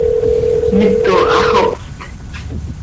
¡Mito haxopt!